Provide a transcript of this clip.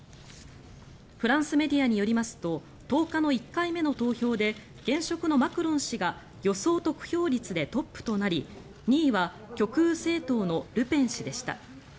フランスメディアによりますと１０日の１回目の投票で現職のマクロン氏が予想得票率でトップとなり２位は極右政党のルペン氏でした。